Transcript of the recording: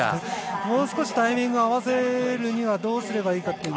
もう少しタイミングを合わせるにはどうすればいいのか。